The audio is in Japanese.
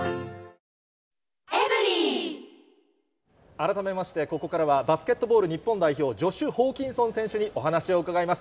改めまして、ここからは、バスケットボール日本代表、ジョシュ・ホーキンソン選手にお話を伺います。